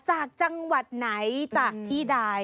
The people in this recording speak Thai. จากจังหวัดไหนจากที่ใด